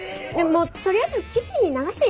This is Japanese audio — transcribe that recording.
もうとりあえずキッチンに流していい？